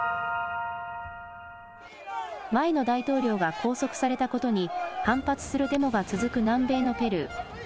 前の大統領が拘束されたことに反発するデモが続く南米のペルー。